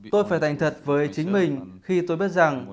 tôi phải thành thật với chính mình khi tôi biết rằng